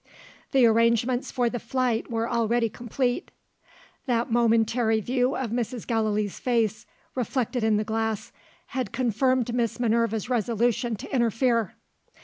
The arrangements for the flight were already complete. That momentary view of Mrs. Gallilee's face, reflected in the glass, had confirmed Miss Minerva's resolution to interfere.